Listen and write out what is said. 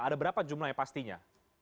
ada berapa jumlahnya pastinya